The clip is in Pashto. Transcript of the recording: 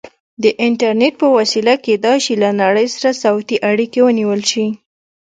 د انټرنیټ په وسیله کیدای شي له نړۍ سره صوتي اړیکې ونیول شي.